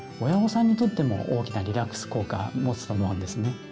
親御さんにとっても大きなリラックス効果もつと思うんですね。